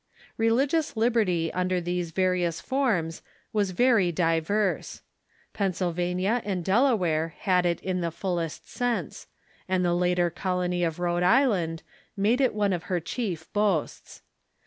Religious liberty under these various forms was very di verse. Pennsylvania and Delaware had it in the fullest sense, and the later colony of Riiode Island made it one of Li'berty^ her chief boasts.